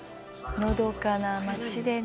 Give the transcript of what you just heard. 「のどかな町でね」